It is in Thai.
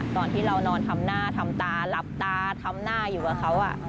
ตอนที่เรานอนทำหน้าทำตาหลับตาทำหน้าอยู่กับเขา